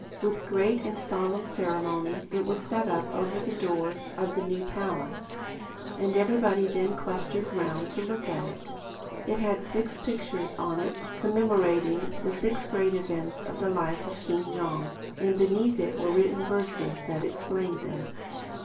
With great and solemn ceremony it was set up over the door of the new palace: and everybody then clustered round to look at it. It had six pictures on it commemorating the six great events in the life of King Jong and beneath were written the verses that explained them.